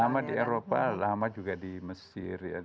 lama di eropa lama juga di mesir ya